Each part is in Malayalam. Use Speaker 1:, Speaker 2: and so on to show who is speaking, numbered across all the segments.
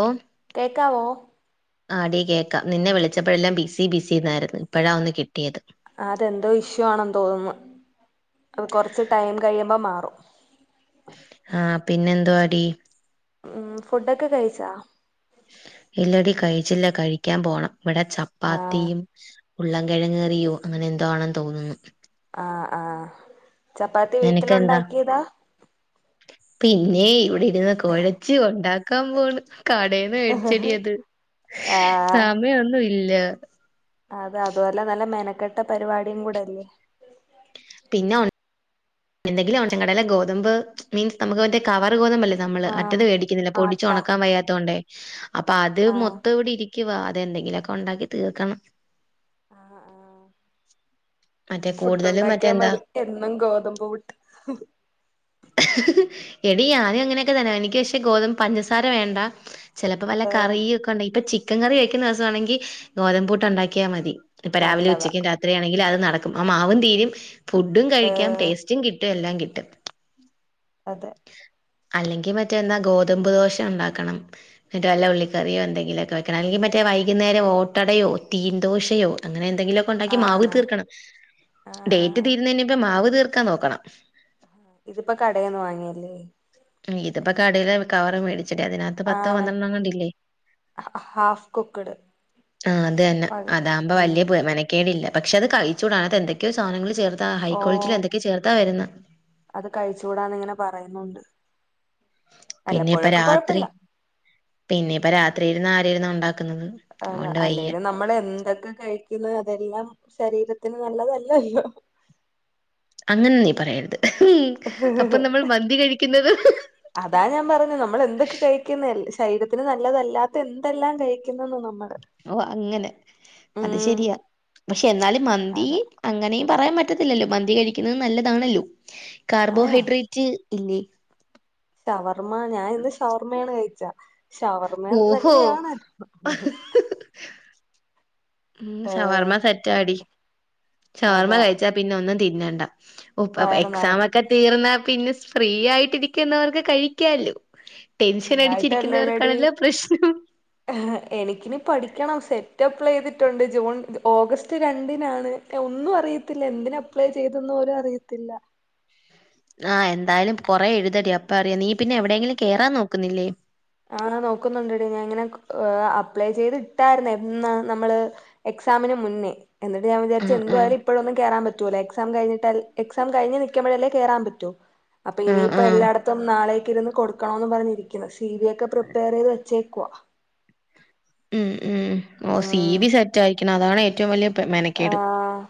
Speaker 1: ഓഹ്
Speaker 2: കേക്കാവോ
Speaker 1: ആടി കേക്കാം നിന്നെ വിളിച്ചപ്പോഴെല്ലാം ബിസി ബിസിന്നായിരുന്നു ഇപ്പഴാ ഒന്ന് കിട്ടിയത്
Speaker 2: ആ അതെന്തോ ഇഷ്യൂ ആണെന്ന് തോന്നുന്നു അത് കൊറച്ച് ടൈം കഴിയുമ്പോ മാറും
Speaker 1: ആ പിന്നെ എന്തുവാടി
Speaker 2: ഉം ഫുഡൊക്കെ കഴിച്ചെ
Speaker 1: ഇല്ലടി കഴിച്ചില്ല കഴിക്കാൻ പോണം ഇവിടെ
Speaker 2: ആഹ്
Speaker 1: ചപ്പാത്തിയും ഉരുളൻകിഴങ്ങു കറിയോ അങ്ങനെ എന്തോ ആണെന്ന് തോന്നുന്നു
Speaker 2: ആഹ് ആഹ് ചപ്പാത്തി
Speaker 1: നിനക്കെന്താ
Speaker 2: വീട്ടിലുണ്ടാക്കിയതാ
Speaker 1: പിന്നെ ഇവടെ ഇരുന്ന് കൊഴച്ച് ഉണ്ടാക്കാൻ പോണ് കടേന്ന് വേട്ച്ചെടീയത് സമയൊന്നും ഇല്ല
Speaker 2: അതെ അതുവല്ല നല്ല മെനക്കെട്ട പരിപാടിയും കൂടെ അല്ലേ
Speaker 1: പിന്നെ ഒ എന്തെങ്കിലും റേഷൻ കടേലെ ഗോതമ്പ് മീൻസ് നമ്മക്ക് മറ്റേ കവറ് ഗോതമ്പ് അല്ലേ നമ്മള്
Speaker 2: ആഹ്
Speaker 1: മറ്റത് വേടിക്കുന്നില്ല പൊടിച്ചു
Speaker 2: ആട്ടാ
Speaker 1: ഒണക്കാൻ വയ്യാത്തോണ്ടേ അപ്പൊ അത്
Speaker 2: ആഹ്
Speaker 1: മൊത്തം ഇവിടെ ഇരി ക്കിവാ അതെന്തെങ്കിലൊക്കെ ഒണ്ടാക്കി തീർക്കണം
Speaker 2: ആഹ് ആഹ്
Speaker 1: മറ്റേ കൂടുതലും
Speaker 2: പുട്ടുണ്ടാക്കിയാ
Speaker 1: മറ്റെന്താ
Speaker 2: മതി എന്നും ഗോതമ്പു പുട്ട്
Speaker 1: എടി ഞാനും അങ്ങനെയൊക്കെ തന്നെ എനിക്ക് പക്ഷെ ഗോതും പഞ്ചസാര വേണ്ട ചെലപ്പോ വല്ല
Speaker 2: ആഹ്
Speaker 1: കറിയൊക്കെ ഉണ്ടെ ഇപ്പൊ ചിക്കൻ കറി വെക്കുന്ന ദിവസാണെങ്കി ഗോതമ്പൂട്ട് ഉണ്ടാക്കിയാ മതി തിപ്പൊ രാവിലെ
Speaker 2: നല്ലതാ
Speaker 1: ഉച്ചക്കും രാത്രിയാണെങ്കില് അത് നടക്കും ആഹ് മാവും തീരും ഫുഡും കഴിക്കാം
Speaker 2: ആഹ്
Speaker 1: ടേസ്റ്റ് കിട്ടും എല്ലാം കിട്ടും
Speaker 2: അതെ
Speaker 1: അല്ലെങ്കി മറ്റേ എന്താ ഗോതമ്പ് ദോശ ഉണ്ടാക്കണം എന്നിട്ട് വല്ല ഉള്ളിക്കറിയോ എന്തെങ്കിലൊക്കെ വെക്കണം അല്ലെങ്കി മറ്റേ വൈകിന്നേരം ഓട്ടടയോ തീൻദോശയോ അങ്ങനെ എന്തെങ്കിലൊ ഒണ്ടാക്കി മാവ്
Speaker 2: ആഹ്
Speaker 1: തീർക്കണം
Speaker 2: ആഹ്
Speaker 1: ഡേറ്റ്
Speaker 2: ആഹ്
Speaker 1: തീരുന്നെനുമ്പ് മാവ് തീർക്കാൻ നോക്കണം
Speaker 2: ഇതിപ്പോ കടേന്ന് വാങ്ങിയല്ലേ
Speaker 1: ഇതിപ്പോ കടയില് കവറ് മേടിച്ചിട്ടതിനകത്ത് പത്തോ
Speaker 2: ആഹ് മറ്റേ
Speaker 1: പന്ത്രണ്ടെങ്ങാണ്ടില്ലേ
Speaker 2: ഹാഫ് കുക്ക്ഡ്
Speaker 1: ആഹ് അത് തന്നെ
Speaker 2: പഴം
Speaker 1: അതാകുമ്പോ വല്യ
Speaker 2: ഉം
Speaker 1: ബ മെന കേടില്ല പക്ഷെ അത് കഴിച്ചൂട അയിനകത്ത് എന്തൊക്കെയോ സാനങ്ങള് ചേർ
Speaker 2: ഓഹ് അത് കഴിച്ചുകൂടാന്ന് ഇങ്ങനെ പറയുന്നുണ്ട്
Speaker 1: പിന്നെപ്പ
Speaker 2: വല്ലപ്പോഴൊക്കെ
Speaker 1: രാത്രി
Speaker 2: കൊഴപ്പില്ല
Speaker 1: പിന്നെപ്പ രാത്രിയിരുന്നാരിരുന്ന ഉണ്ടാക്കുന്നത്
Speaker 2: അത
Speaker 1: അതുകൊണ്ട് വയ്യ
Speaker 2: അല്ലേല് നമ്മളെന്തൊക്കെ കഴി യ്ക്കുന്ന് അതെല്ലാം ശരീരത്തിന് നല്ലതല്ലല്ലോ
Speaker 1: അങ്ങനെ നീ പറയരുത് ഉം അപ്പൊ നമ്മൾ മന്തി കഴിക്കുന്നത്
Speaker 2: യ്ക്കുന്നല്ലേ ശരീരത്തിന് നല്ലതല്ലാത്ത എന്തെല്ലാം കഴിക്കുന്നെന്നോ നമ്മള്
Speaker 1: ഓഹ് അങ്ങനെ അത്
Speaker 2: ഉം
Speaker 1: ശരിയാ പക്ഷെ എന്നാലും മന്തി
Speaker 2: അതെ
Speaker 1: അങ്ങനെയും പറയാൻ പറ്റത്തില്ലല്ലോ മന്തി കഴിക്കുന്നതും നല്ലതാണല്ലോ
Speaker 2: ആഹ്
Speaker 1: കാർബോഹൈഡ്രേറ്റ് ഇല്ലെ
Speaker 2: ഷവർമ്മ ഞാൻ ഇന്ന് ഷവർമ്മയാണ് കഴിച്ച ഷവർമ്മ
Speaker 1: ഓഹോ
Speaker 2: നല്ലയാണ്
Speaker 1: ഉം
Speaker 2: ഏഹ്
Speaker 1: ഷവർമ്മ സെറ്റാടി ഷവർമ്മ
Speaker 2: അതാ
Speaker 1: കഴിച്ചാ പിന്നെ ഒന്നും തിന്നണ്ട ഓഹ് പ
Speaker 2: വയറ് നിറഞ്ഞു
Speaker 1: എക്സാമൊക്കെ തീർന്നാ പിന്നെ ഫ്രീ ആയിട്ടിരിക്കുന്നവർക്ക് കഴിയ്ക്കാല്ലോ
Speaker 2: ഫ്രീ
Speaker 1: ടെൻഷനടിച്ചിരിക്കുന്നവർക്കാണല്ലോ പ്രശ്നം
Speaker 2: ആഹ് എനിക്കിനി പഠിക്കണം സെറ്റ് അപ്ലൈ ചെയ്തിട്ടുണ്ട് ജൂൺ ഓഗസ്റ്റ് രണ്ടിനാണ് ഏ ഒന്നും അറിയത്തില്ല എന്തിന് അപ്ലൈ ചെയ്തെന്ന് പോലും അറിയത്തില്ല
Speaker 1: ആഹ് എന്തായാലും കൊറേ എഴുതെടി അപ്പ അറിയാം നീ പിന്നെ എവിടെയെങ്കിലും കേറാൻ നോക്കുന്നില്ലേ
Speaker 2: ആഹ് നോക്കുന്നുണ്ടെടി ഞാൻ ഇങ്ങനെ അപ്ലൈ ചെയ്ത് ഇട്ടായിരുന്നെ എന്നാ നമ്മള് എക്സാമിന് മുന്നേ എന്നിട്ട് ഞാൻ വിചാരിച്ച്
Speaker 1: ആഹ് ആഹ്
Speaker 2: എന്തുവായാലും എപ്പോഴൊന്നും കേറാൻ പറ്റൂല എക്സാം കഴിഞ്ഞട്ട എക്സാം കഴിഞ്ഞു നിൽക്കുമ്പഴല്ലേ കേറാൻ പറ്റു അപ്പൊ
Speaker 1: ആഹ്
Speaker 2: ഇനിയിപ്പൊ
Speaker 1: ആഹ്
Speaker 2: എല്ലാടത്തും നാളേക്ക് ഇരുന്ന് കൊടുക്കണോന്ന് പറഞ്ഞിരിക്കുന്നു സി വി ഒക്കെ പ്രിപ്പയർ ചെയ്ത് വെച്ചേക്കുവ
Speaker 1: ഉം ഉം ഓ സി
Speaker 2: ഉം
Speaker 1: വി സെറ്റ് ആയിരിക്കണം അതാണ് ഏറ്റവും വലിയ മെനക്കേട്
Speaker 2: ആഹ്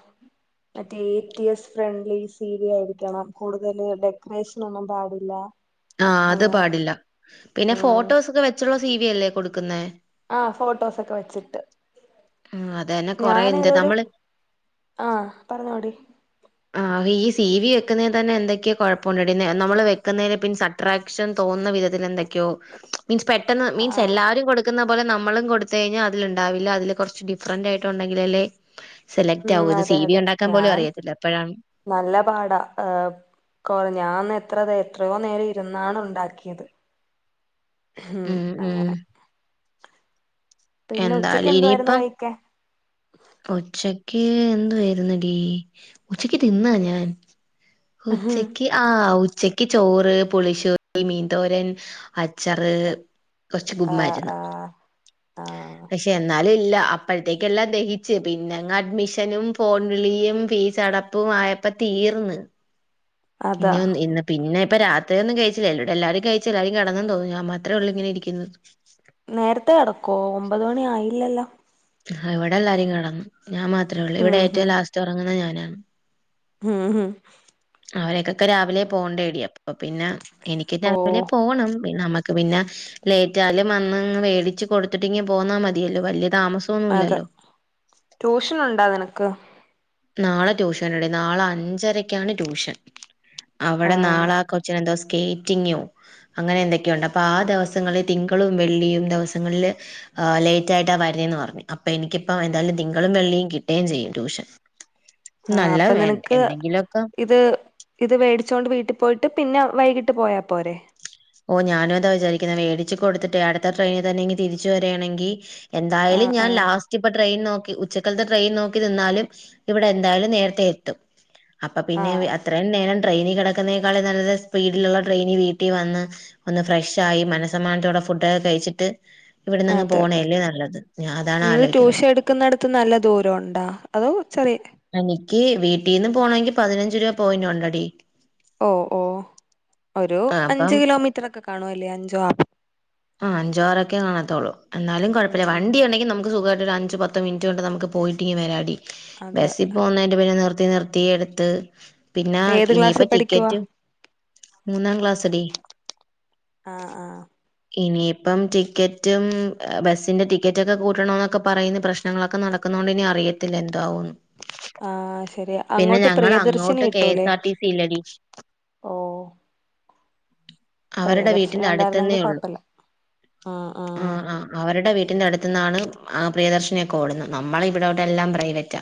Speaker 2: മറ്റേ A T S friendly C V ആയിരിക്കണം കൂടുതൽ ഡെക്കറേഷൻ ഒന്നും പാടില്ല
Speaker 1: ആഹ് അത്
Speaker 2: അങ്ങനെ
Speaker 1: പാടില്ല പിന്നെ
Speaker 2: ഉം
Speaker 1: ഫോട്ടോസ് ഒക്കെ വെച്ചുള്ള സി വി അല്ലേ കൊടുക്കുന്നേ
Speaker 2: ആഹ് ഫോട്ടോസൊക്കെ വെച്ചിട്ട്
Speaker 1: ആഹ് അതന്നെ കൊറെ
Speaker 2: ഞാൻ
Speaker 1: എന്ത്
Speaker 2: ഏതൊരു
Speaker 1: നമ്മള്
Speaker 2: ആഹ് പറഞ്ഞോടി
Speaker 1: ആ ഈ സി വി വെക്കുന്ന തന്നെ എന്തൊക്കെയാ കുഴപ്പമുണ്ടടി നമ്മള് വെക്കുന്നതി പി അട്രാക്ഷൻ തോന്നുന്ന വിധത്തിൽ എന്തൊക്കെയോ മീൻസ് പെട്ടെന്ന് മീൻസ്
Speaker 2: ആഹ്
Speaker 1: എല്ലാരും കൊ കൊടുുന്ന പോലെ നമ്മളും കൊടുത്ത കഴിഞ്ഞാൽ അതിലണ്ടാവില്ല അതില് കുറച്ച് ഡിഫറന്റ് ആയിട്ട്ണ്ടെങ്കിൽ അള്ള സെലക്ട്
Speaker 2: ഉം
Speaker 1: ആവോ ഇത്
Speaker 2: അതെ
Speaker 1: സി ബി
Speaker 2: അതെ
Speaker 1: ഉണ്ടാക്കാൻ പോലും
Speaker 2: ഞാൻ
Speaker 1: അറിയത്തില്ല അപ്പോഴാണ്
Speaker 2: നല്ല പാടാ ഏഹ് കൊറ ഞാൻ എത്ര എത്രയോ നേരം ഇരുന്നാണ് ഉണ്ടാക്കിയത് ഉം അങ്ങനെ പിന്നെ ഉച്ചക്ക് എന്തുവായിരുന്നു
Speaker 1: എന്താലിനിയിപ്പം
Speaker 2: കഴിക്കാൻ
Speaker 1: ഉച്ചക്ക് എന്തുവായിരുന്നുന്നടീ ഉച്ചക്ക് തിന്നാ ഞാൻ
Speaker 2: ആഹ്
Speaker 1: ഉച്ചയ്ക്ക് ആഹ് ഉച്ചക്ക് ചോറ് പുളിശ മീൻന്തോരൻ അച്ചാറ് കൊറച്ച് കുമ്മായിരുന്നു
Speaker 2: ആഹ് ആഹ്
Speaker 1: പക്ഷെ എന്നാലും ഇല്ല അപ്പോഴത്തേക്ക എല്ലാം ദഹിച്ച് പിന്നെങ്ങ് അഡ്മിഷനും ഫോൺ വിളിയും ഫീസ് അട ആയപ്പ തീർന്ന്
Speaker 2: അതാ
Speaker 1: ഇനിന്ന് ഇ പിന്നെ ഇപ്പ രാത്രിയന്നും കഴിച്ചില്ലല്ലോടെ എല്ലാരും കഴിച്ചു എല്ലാരും കടന്നന്ന് തോന്നണു ഞാൻ മാത്രേ ഉള്ളൂ ഇങ്ങെ ഇരിക്കുന്ന്
Speaker 2: നേരത്തെ കടക്കോ ഒമ്പത് മണി ആയില്ലല്ലോ
Speaker 1: ഇവിടെ എല്ലാരും കടന്നു ഞാൻ മാത്രേ ഉള്ളൂ ഇവിടെ
Speaker 2: ഉം ഹും
Speaker 1: ഏറ്റവും ലാസ്റ്റ് ഉറങ്ങുന്ന ഞാനാ
Speaker 2: ഉം ഉം
Speaker 1: അവരക്കൊക്കെ രാവിലെ പോകണ്ടേടി അപ്പ പിന്നെ എനിക്ക്
Speaker 2: ഓ
Speaker 1: രാവിലെ പോകണംപിന്നെ നമ്മക്ക് പിന്നെ ലേറ്റാലും വന്നിങ് മേടിച്ച് കൊടുത്തിട്ട് ഇങ്ങ പോന്നാൽ മതിയല്ലോ വലിയ താമസം
Speaker 2: അതെ ട്യൂഷൻ ഉണ്ടോ നിനക്ക്
Speaker 1: നാളെ ട്യൂഷൻഉണ്ട് നാളെ അഞ്ചരക്കാണ് ട്യൂഷൻ അവിടെ
Speaker 2: ആഹ്
Speaker 1: നാളാ ആ കൊച്ചിന് എന്തോ സ്കേറ്റിങ്ങ് അങ്ങനെ എന്തൊക്കെയുണ്ട് അപ്പോൾ ആ ദിവസങ്ങളിൽ തിങ്കളും വെള്ളിയും ദിവസങ്ങളിൽ ആഹ് ലേറ്റ് ആയിട്ട് വരുന്നന്ന് പറഞ്ഞ് അപ്പൊ എനിക്കിപ്പ എന്തായാലും നിങ്ങളും വെള്ളിയും കിട്ടുകയും ചെയ്യും ട്യൂഷൻ
Speaker 2: ആഹ്
Speaker 1: നല്ല
Speaker 2: അപ്പൊ നിനക്ക്
Speaker 1: എന്തെങ്കിലുമൊക്കെ
Speaker 2: ഇത് ഇത് വേടിച്ചോണ്ട് വീട്ടിൽ പോയിട്ട് പിന്നെ വൈകിട്ട് പോയാ പോരെ
Speaker 1: ഓ ഞാനും അതാ വിചാരിക്കുന്നത് മേടിച്ച്കൊടുത്തിട്ട് അടുത്ത ട്രെയിനിൽ തന്നെ ഇങ് തിരിച്ചു വരിയാണെങ്കിൽ എന്തായാലും
Speaker 2: ആഹ്
Speaker 1: ഞാൻ
Speaker 2: ആഹ്
Speaker 1: ലാസ്റ്റ് പട്ട ട്രെയിൻ നോക്കി ഉച്ചക്കലത്തെ ട്രെയിൻ നോക്കി നിന്നാലും ഇവിടെ എന്തായാലും നേരത്തെ എത്തും അപ്പൊ പിന്നെ
Speaker 2: ആഹ്
Speaker 1: അത്രയും നേരം ട്രെയിനി കിടക്കുന്നേക്കാളും നല്ല സ്പീഡിലുള്ള ട്രെയിൻ വീട്ടിൽ വന്ന് ഒന്ന് ഫ്രഷ്‌ ആയി മനസ്സമ്മാനത്തോടെ ഫുഡ് ഒക്കെകഴിച്ചിട്ട് ഇവിടെന്ന്ങ്ങ്
Speaker 2: അതെ
Speaker 1: പോണല്ലേ നല്ലത് ഞാൻ അതാണ് ആലോചിക്കുന്നത്
Speaker 2: നിക്കുന്നിടത്ത് നല്ല ദൂരം ഉണ്ടോ അതോ ചെറിയ
Speaker 1: എനിക്ക് വീട്ടീന്ന് പോണങ്കിൽ പതിനഞ്ച് രൂപ പോയിന്റ്ണ്ടടി
Speaker 2: ഓഹ് ഓഹ് ഒരു
Speaker 1: ആ
Speaker 2: അഞ്ചു കിലോമീറ്റർ ഒക്കെ കാണുവല്ലേ അഞ്ചോ ആ
Speaker 1: ആഹ് അഞ്ചോറൊക്കെ കാണാത്തുള്ളൂ എന്നാലും
Speaker 2: ഉം
Speaker 1: കുഴപ്പമില്ല
Speaker 2: ഉം
Speaker 1: വണ്ടി ഉണ്ടെങ്കിൽ നമുക്ക് സുഖമായിട്ട് അഞ്ചു പത്ത്മിനിറ്റ് കൊണ്ട് നമുക്ക് പോയിട്ടി വരാടി
Speaker 2: അതെ
Speaker 1: ബസ്സ് പോന്നതിന്റെ പിന്നെ നിർത്തി നിർത്തി എടുത്ത് പിന്നെ
Speaker 2: ഏത് ക്ലാസ്സിൽ
Speaker 1: ഇനിയിപ്പ
Speaker 2: പഠിക്കുവാ
Speaker 1: ടിക്കറ്റ് മൂന്നാം ക്ലാസ്ടി
Speaker 2: ആഹ് ആഹ്
Speaker 1: ഇനിയിപ്പം ടിക്കറ്റും ബസ്സിന്റെ ടിക്കറ്റൊക്കെ കൂട്ടണന്നൊക്കെ പറയുന്നു പ്രശ് ഞങ്ങളൊക്കെ നടക്കുന്നതോണ്ട് ഇനി അറിയത്തില്ല എന്താവന്ന്
Speaker 2: ആഹ് ശരിയാ
Speaker 1: പിന്നെ
Speaker 2: അങ്ങോട്ട്
Speaker 1: ഞങ്ങൾ
Speaker 2: പ്രിയദർശിനി
Speaker 1: അങ്ങോട്ട് കെഎസ്
Speaker 2: കിട്ടൂലേ
Speaker 1: ആർ ടി സി ല്ലടി
Speaker 2: ഓ
Speaker 1: അവരുടെ
Speaker 2: പ്രിയദർശിനി
Speaker 1: വീട്ടിന്റെ
Speaker 2: ഉണ്ടായിരുന്നെങ്കി
Speaker 1: അടുത്തന്നേള്ളു
Speaker 2: കൊഴപ്പല്ല ആഹ്
Speaker 1: ആ
Speaker 2: ആഹ്
Speaker 1: ആ അവരുടെ വീട്ടിന്റെ അടുത്ത് നിന്നാണ് ആ പ്രിയദർശിനിയൊക്കെ ഓടുന്നത് നമ്മള ഇവിടെ ഓട്ട് എല്ലാം പ്രൈവറ്റ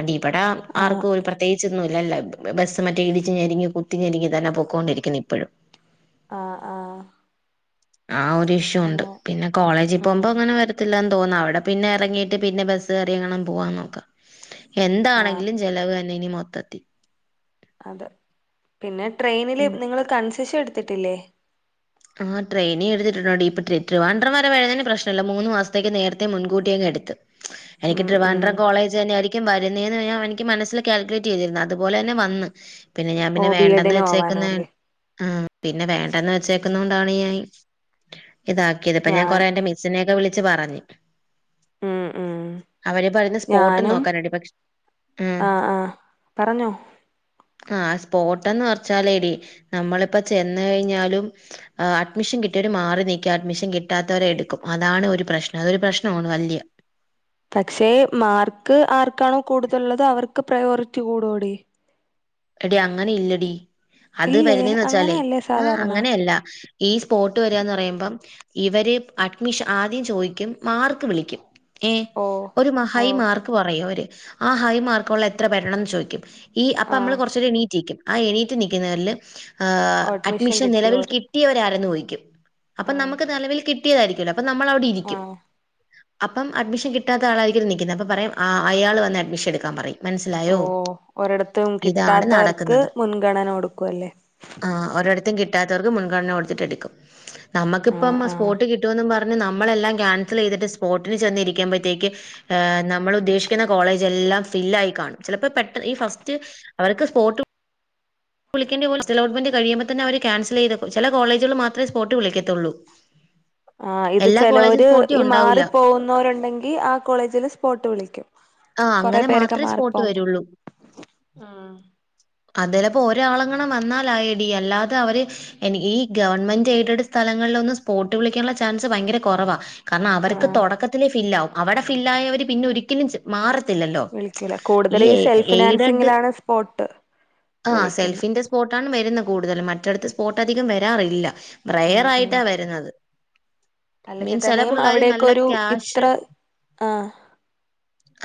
Speaker 1: അടി ഇവിടെ
Speaker 2: ആഹ്
Speaker 1: ആർക്കും ഒരു പ്രത്യേകിച്ചൊന്നും ഇല്ലല്ലേ ബസ്സ് മറ്റേ ഇടിച്ചു ഞരിങ്ങി കുത്തിരിതന്നെ പോ കൊണ്ടിരിക്കുന്ന് ഇപ്പോഴും
Speaker 2: ആഹ് ആഹ്
Speaker 1: ആ ഒരു ഇഷ്യൂ ഒണ്ട്
Speaker 2: അങ്ങനെ
Speaker 1: പിന്നെ കോളേജിൽ
Speaker 2: ഉം
Speaker 1: പോംമ്പോ അങ്ങനെ വര ത്തില്ലാന്ന് തോന്നാ അവിടെ പിന്നെ എറങ്ങീട്ട് പിന്നെ ബസ്‌ കേറിങ്ങണം പോവാന്ന് നോക്കാ
Speaker 2: ആഹ്
Speaker 1: എന്താണെങ്കിലും ചെലവെന്നെനി മൊത്തത്തിൽ
Speaker 2: അതെ പിന്നെ ട്രെയിനില്
Speaker 1: ഉം.
Speaker 2: നിങ്ങള് കൺസെഷൻ എടുത്തിട്ടില്ലേ
Speaker 1: ആ ട്രെയിനിൻ എടുത്തിട്ടുണ്ടോടി ഇപ്പൊട്രേട്രുവാഡ്രം വരെ വരുന്നതിന് പ്രശ്നല്ല മൂന്ന് മാസത്തേക്ക് നേരത്തെ മുൻകൂട്ടിയങ്ങെടുത്ത് എനിക്ക്
Speaker 2: ഉം ഉം
Speaker 1: ട്രിവാൻഡ്രം കോളേജ് തന്നെ ആയിരിക്കും ക്കും വരുന്നേന്ന് യ്ഞ്ഞാ എനിക്ക് മനസ്സിൽ കാൽക്കുലേറ്റ് ചെയ്തിരുന്നു അതുപലെന്നെ വന്ന് പിന്നെ ഞാൻ
Speaker 2: ഓ
Speaker 1: പിന്നെ
Speaker 2: ബി
Speaker 1: വേണ്ടെന്ന്
Speaker 2: എഡിന് പോവാനോ
Speaker 1: വെച്ചേക്കുന്നേ
Speaker 2: അല്ലേ
Speaker 1: ആ പിന്നെ വേണ്ടെന്ന് വെച്ചേക്കുന്നൊണ്ടാണ് ഞാൻ ഇതാക്കിയത് പ്പൊ ഞാൻ കൊറെ എന്റെ മിസ്സിനെക്കെ വിളിച്ചു പറഞ്ഞ്
Speaker 2: ഉം ഉം
Speaker 1: അവര് പറയുന്നേ സ്പോട്ടും നോക്കാന്ണ്ട് പക്ഷെ ഉം
Speaker 2: ആ ആ പറഞ്ഞോ
Speaker 1: ആ സ്പോട്ട്ന്ന് വെച്ചാലേടി നമ്മളിപ്പൊ ചെന്ന് കയ്ഞ്ഞാലും ആ അഡ്മിഷൻ കിട്ടിയവര് മാറി നിക്കും അഡ്മിഷൻ കിട്ടാത്തവരെ എടുക്കും അതാണ് ഒരു പ്രശ്നം അതൊരു പ്രശ്നമാണ് വല്യേ
Speaker 2: പക്ഷേ മാർക്ക് ആർക്കാണോ കൂടുതലുള്ളത് അവർക്ക് പ്രയോറിറ്റി കൂടൊടി
Speaker 1: എടി അങ്ങനെ ഇല്ലെടി അത്
Speaker 2: ഇല്ലേ
Speaker 1: വരുന്നേന്ന് വെച്ചാലേ
Speaker 2: അങ്ങനെയല്ലേ
Speaker 1: ആ
Speaker 2: സാധാരണ
Speaker 1: അങ്ങനെയെല്ല ഈ സ്പോട്ട് വരാന്ന് പറയുമ്പം ഇവര് അഡ്മിഷ ആദ്യം ചോയ്ക്കും മാർക്ക് വിളിക്കും ഏ
Speaker 2: ഓ
Speaker 1: ഒരു ഹൈ
Speaker 2: ഓ
Speaker 1: മാർക്ക് പറയുംഅവര് ആ ഹൈ മാർക്കൊള്ള എത്ര പേര് ഉണ്ടെന്ന് ചോയ്ക്കും ഈ അപ്പൊ മ്മള്
Speaker 2: ആഹ്
Speaker 1: കുറച്ചേംര എണീറ്റിക്കും ആ എണീറ്റ് നൽക്കുന്നവരില് അഡ്മിഷൻ നിലവിൽ കി കിട്ടിയവര് ആരെന്ന് ചോയ്ക്കും അപ്പൊ
Speaker 2: ആഹ്
Speaker 1: നമുക്ക് നെലവിൽ കിട്ടിയതായിരിക്കല്ലോ അപ്പൊ നമ്മളവിടെ ഇരിക്കും
Speaker 2: ആഹ്
Speaker 1: അപ്പം അഡ്മിഷൻ കിട്ടാത്ത ആളായിരിക്കും നിക്കുന്നേ അപ്പം പറയുറ അയാള് വന്ന് അഡ്മിഷൻ എടുക്കാൻ പറയും മനസ്സിലായോ
Speaker 2: ഒരെടത്തും
Speaker 1: ഇതാണ്
Speaker 2: കിട്ടാത്തവർക്ക് മുൻഗണന കൊടുക്കും അല്ലേ
Speaker 1: ആ ഒരെട്ത്തും കിട്ടാത്തവർക്ക് മുൻഗണന കൊടുത്തിട്ടെടുക്കും നമ്മുക്കിപ്പം
Speaker 2: ആഹ്
Speaker 1: മസ്
Speaker 2: ആഹ്
Speaker 1: സ്പോട്ട് കിട്ടുംമെന്നും പറഞ് നമ്മളല്ലാം ക്യാൻസലൈയ്തിട്ട് സ്പോട്ടിന് ചെന്നിരിക്കുമ്പഴത്തേക്ക് ഏ നമ്മളുദ്ദേശിക്കുന്ന കോളേജെല്ലാം ഫില്ലായി കാണും ചെലപ്പോ പെട്ടെ ഈ ഫസ്റ്റ് അവർക്ക് സ്പോട്ടും വ്ളിക്കേണ്ട്യ പോലെഫസ്റ്റലോട്മെന്റ് കഴിയുമ്പോ തന്നെ അവര് ക്യാൻസയ്ത് ചെല കോളേജുകലില് മാത്രേ സ്പോട്ട് വിളിക്കത്തൊള്ളൂ
Speaker 2: ആ ഇത് ചെലോര്
Speaker 1: സ്പോട്ടി
Speaker 2: ഈ
Speaker 1: ഉണ്ടാവൂല്ല
Speaker 2: മാറി പോവുന്നോരുണ്ടെങ്കി ആ കോളേജില് സ്പോട്ട് വിളിക്കും
Speaker 1: ആ
Speaker 2: കൊറെ
Speaker 1: അങ്ങനെ
Speaker 2: പേരൊക്കെ
Speaker 1: മാത്രേ സ്പോട്ട്
Speaker 2: മാറിപ്പോവുമ്പോ
Speaker 1: വരൊള്ളൂ
Speaker 2: ആഹ്
Speaker 1: അതലെപ്പോ ഒരാളെങ്ങാണും വന്നാലായെടി അല്ലാതെ അവര് എനി ഈ ഗവൺമെന്റ് എയ്ഡഡ് സ്ഥലങ്ങളിലൊന്നും സ്പോട്ട് വിളിക്കാനുള്ള ചാൻസ് ഭയങ്കരെ കുറവാ കാരണം അവർക്ക്
Speaker 2: ആഹ്
Speaker 1: തുടക്കത്തിലെ ഫില്ലാവും അവടെ ഫില്ലായവര് പിന്നെ ഒരിക്കലുംസ് മാറത്തില്ലല്ലോ
Speaker 2: വിളിക്കൂല
Speaker 1: ഈ
Speaker 2: കൂടുതല് സെൽഫ്
Speaker 1: എയ്ഡഡ്
Speaker 2: ഫിനാൻസിങ്ങിലാണ് സ്പോട്ട്
Speaker 1: ആ
Speaker 2: വിളിക്കുന്നെ
Speaker 1: സെൽഫിന്റെ സ്പോട്ടാണ് വരുന്നേ കൂടുതലും മറ്റടുത്ത് സ്പോട്ട് അധികം വരാറില്ല
Speaker 2: ഉം
Speaker 1: റേയറായി
Speaker 2: ഉം
Speaker 1: ട്ടാ വരുന്നത്
Speaker 2: അല്ലെങ്കി
Speaker 1: മീൻസ് ചില
Speaker 2: തന്നെയും
Speaker 1: പിള്ളേര് നല്ല
Speaker 2: അവിടെക്കെരു ഇത്ര
Speaker 1: ക്യാഷ്
Speaker 2: ആ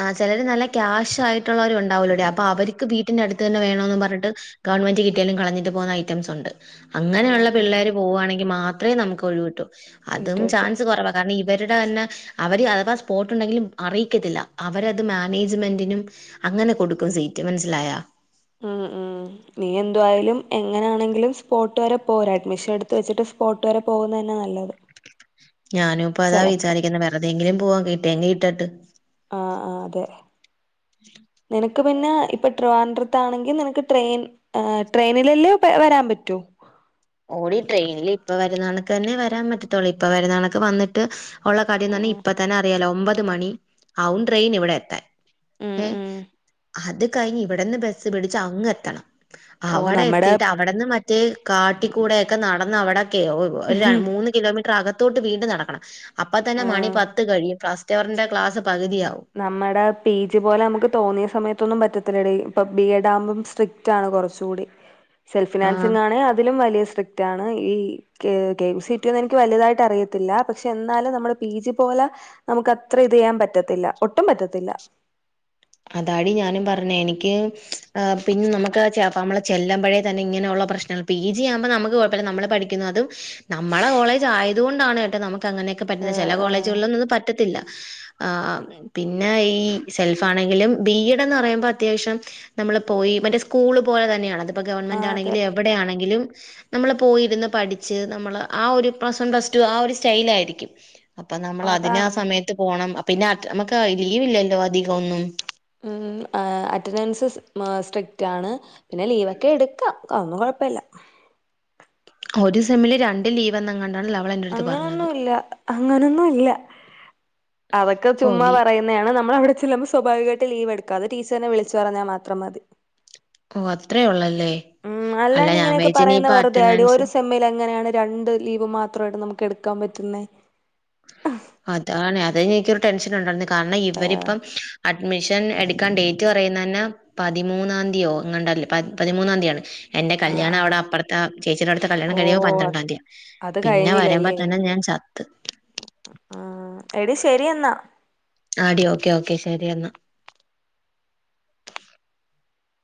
Speaker 1: ആ ചെലര് നല്ല ക്യാഷ് ആയിട്ടുള്ളവരും ണ്ടാവല്ലൊടീ അപ്പൊ അവര്ക്ക് വീ ടിന്റെ അടുത്ത് തന്നെ വേണോന്ന് പറഞ്ഞ്ട്ട് ഗവൺമെന്റ് കിട്ടിയാലും കളഞ്ഞിട്ട് പോകുന്ന ഐറ്റംസുണ്ട്
Speaker 2: ആഹ്
Speaker 1: അങ്ങനെയുള്ള
Speaker 2: ആഹ്
Speaker 1: പിള്ളേര് പോവാണെങ്കി മാത്രേ നമുക്കൊഴിവ് കിട്ടു. അതും
Speaker 2: സീറ്റ് കിട്ടും
Speaker 1: ചാൻസ് കൊറവാ കാരണം ഇവരുടെ തന്നെ അവര് അഥവാ സ്പോട്ടു- ണ്ടെങ്കിലും അറിയിക്കത്തില്ല അവരത് മാനേജ്മെന്റിനും അങ്ങനെ കൊടുക്കും സീറ്റ് മൻസ്സിലായാ
Speaker 2: ഉം ഉം നീ എന്തുവായാലും എങ്ങനാണെങ്കിലും സ്പോട്ട് വരെ പോ ഒരഡ്മിഷനെടുത്ത് വെച്ചിട്ട് പോട്ട് വരെ പോകുന്നെന്നാ നല്ലത്.
Speaker 1: ഞാനുപ്പതാ
Speaker 2: ചെലപ്പം
Speaker 1: വിചാരിക്കുന്ന വെറുതെങ്കിലും പോവ കിട്ടിയെങ്കി കിട്ടട്ട്
Speaker 2: ആഹ് ആഹ് തെ നിനക്ക് പിന്നെ ഇപ്പ ട്രിവാൻഡ്രത്താണെങ്കി നിനക്ക് ട്രെയിൻ ഏ ട്രെയിനിലല്ലേ പ വരാൻ പറ്റൂ
Speaker 1: ഓളി ട്രെയിനില് ഇപ്പ വരുന്നണക്ക് തന്നെ വരാൻ പറ്റത്തുള്ളൂ ഇപ്പ വരുന്നണക്ക് വന്നിട്ട് ഒള്ള
Speaker 2: ഉം
Speaker 1: കഥന്നെന്നിപ്പ തന്നെ അറിയാലോ ഒമ്പത് മണി ആവും ട്രെയിനിവിടെ എത്താൻ
Speaker 2: ഉം
Speaker 1: ഏഹ്
Speaker 2: ഉം
Speaker 1: അത് കഴിഞ്ഞിവിടെന്ന് ബസ് പിടിച്ചങ്ങെത്തണം
Speaker 2: ഓ
Speaker 1: അവടെ
Speaker 2: നമ്മടെ
Speaker 1: എത്തീട്ടവിടെന്ന് മറ്റേ കാട്ടി കൂടെക്കെ നടന്ന് അവിടൊക്കെയോ ഒര മൂന്ന് കിലോമീറ്റർ അകത്തോട്ട് വീണ്ടും നടക്കണം അപ്പ തന്നെ മണി
Speaker 2: ആഹ്
Speaker 1: പത്ത് കഴിയും ഫസ്റ്റവറിന്റെ ക്ലാസ് പകുതിയാവും
Speaker 2: നമ്മുടെ പി ജി പോലെ നമുക്ക് തോന്നിയ സമയത്തൊന്നും പറ്റത്തില്ലെടി ഇപ്പ ബി എഡ് ആമ്പം സ്ട്രിക്റ്റ് ആണ് കൊർച്ചൂടി
Speaker 1: ആഹ്.
Speaker 2: സെൽഫിനാൻസിംഗാണ് അതിലും വലിയ സ്ട്രിക്റ്റാണ് ഈ ക്ക് കെ എം സി ട്ടി ന്ന് എനിക്ക് വല്യതായിട്ടറിയത്തില്ല പക്ഷെ ന്നാലും നമ്മള് പി ജി പോല നമുക്കത്രെ ത് യാൻ പറ്റത്തില്ല ഒട്ടും പറ്റത്തില്ല
Speaker 1: അതാടി ഞാനും പറഞ്ഞെ എനിക്ക് എ പിന്നെ നമുക്ക് ചെ പമ്മള് ചെല്ലുമ്പഴേ തന്നെ ഇങ്ങനെയുള്ള പ്രശ്നങ്ങൾ പി ജി ആമ്പ നമ്മക്ക് കൊഴപ്പമില്ല നമ്മള് പഠിക്കുന്നതും നമ്മള കോളേജാ യതുകൊണ്ടാണ് കേട്ടോ നമു ത്തങ്ങനെയൊക്കെ പറ്റ്ന്നത്
Speaker 2: ആഹ്
Speaker 1: ചെല
Speaker 2: ആഹ്
Speaker 1: കോളേജുകളിലൊന്നുത് പറ്റത്തില്ല ആ പിന്നെ ഈ സെൽ പാണെങ്കിലും ബി എഡ് എന്ന് പറയുമ്പൊ അത്യാവശ്യം നമ്മള് പോയി മറ്റേ സ്കൂള് പോലെ തന്നെയാണത് പ്പ
Speaker 2: ആഹ് അതെ
Speaker 1: ഗവൺമെന്റാണെങ്കിലും എവടെ ആണെങ്കിലും നമ്മള് പോയിരുന്ന് പഠിച്ച് നമ്മള് ആ ഒരു പ്ലസ് വൺ പ്ലസ് ടു ആ ഒരു സ്റ്റൈലായിരിക്കും അപ്പൊ നമ്മള് അതിനാ
Speaker 2: അതാണ്
Speaker 1: സമയത്ത് പോണം അ പിന്നാട്ട് നമ്മക്ക് ലീവില്ലല്ലോ അധികൊന്നും
Speaker 2: ഊം ആ അറ്റൻഡൻസ് മ സ്ട്രിക്റ്റാണ് പിന്നെ ലീവൊക്കെ എടുക്കാം അഒന്നും കൊഴപ്പല്ല.
Speaker 1: ഒരു സെമ്മില് രണ്ട് ലീവെ ന്നെങ്ങാണ്ടാണ് ല
Speaker 2: അങ്ങനൊന്നുല്ല അങ്ങനൊന്നു ല്ല അതൊക്കെ
Speaker 1: ഓ
Speaker 2: ചുമ്മാ
Speaker 1: ലീ
Speaker 2: പറയു ന്നെയാണ്. നമ്മളവ്ട ചെല്ലുമ്പ സ്വാഭാവികായിട്ട് ലീവെടുക്കാതെ ടീച്ചർനെ വിളിച്ച് പറഞ്ഞാ മാത്രം മതി
Speaker 1: ഓ അത്രേ ഉള്ളല്ലേ
Speaker 2: ഉം അല്ലാണ്ടിങ്ങനെയൊക്കെ പറയുന്ന വെറുതെയാടി ഒരു സെമ്മിലെങ്ങനെയാണ് രണ്ട് ലീവ് മാത്രേ ടു നമുക്കെടുക്കാം പറ്റുന്നെ
Speaker 1: അതാണ് അതെയ്ഞ്ഞെനിക്കൊരു ടെൻഷനുണ്ടരുന്നു കാരണം
Speaker 2: ആഹ്
Speaker 1: ഇവനിപ്പം അഡ്മിഷൻ എടുക്കാൻ ഡേറ്റ് പറയുന്നന്നെ പതിമൂന്നാം തീയോ എങ്ങണ്ടല്ലേ പത് പതിമൂന്നാം തീയാണ് എന്റെ
Speaker 2: ആഹ്
Speaker 1: കല്യാണം അവ്ട
Speaker 2: ആഹ്
Speaker 1: അപ്പറത്ത ആ ചേച്ചിടെവിടുത്തെ കല്യാണം
Speaker 2: ഓ
Speaker 1: കഴിയുമ്പ
Speaker 2: അത്
Speaker 1: പന്ത്രണ്ടാം തീ
Speaker 2: അത്
Speaker 1: പിന്നെ വരമ്പോ
Speaker 2: കഴിഞ്ഞില്ലല്ലേ
Speaker 1: തന്നെ ഞാൻ ച
Speaker 2: ആഹ് എടി ശരിയെന്നാ
Speaker 1: ആഹ് ടി ഓക്കെ ഓക്കെ ശരി എന്നാ